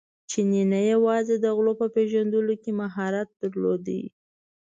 چیني نه یوازې د غلو په پېژندلو کې مهارت درلود.